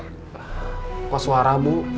kang kosuara bu